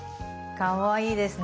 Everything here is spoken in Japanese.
かわいいですね。